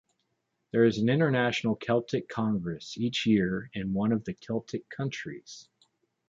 There is an International Celtic Congress each year in one of the Celtic countries.